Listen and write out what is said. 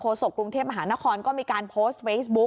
โศกกรุงเทพมหานครก็มีการโพสต์เฟซบุ๊ค